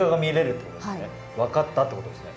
分かったってことですね。